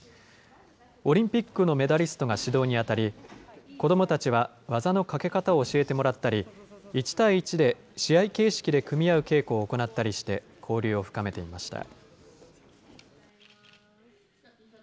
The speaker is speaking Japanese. オリンピックのメダリストが指導に当たり、子どもたちは技のかけ方を教えてもらったり、１対１で試合形式で組み合う稽古を行ったりして、交流を深めていました。